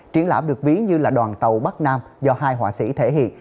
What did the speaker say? triển lãm được ví như là đoàn tàu bắc nam do hai họa sĩ thể hiện